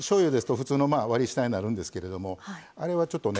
普通の割り下になるんですけれどもあれはちょっとね